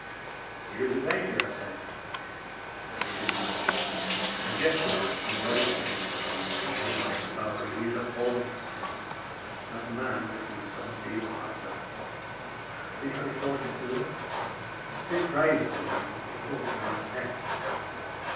Here is a danger, 'a saith, and here difficulty; and jesteth in the very saying. Nay, by Saint Barbary, he is a born captain! Not a man but he is some deal heartened up! See how they fall again to work." This praise of Sir Daniel put a thought in the lad's head.